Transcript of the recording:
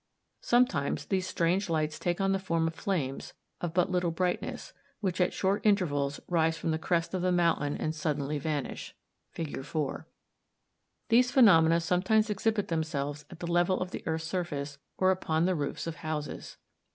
Sometimes, these strange lights take on the form of flames of but little brightness, which, at short intervals, rise from the crest of the mountain and suddenly vanish (Fig. 4). These phenomena sometimes exhibit themselves at the level of the earth's surface, or upon the roofs of houses.